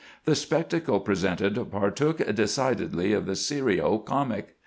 The spectacle presented partook decidedly of the serio comic.